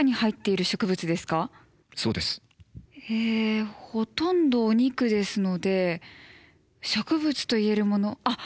えほとんどお肉ですので植物と言えるものあっ！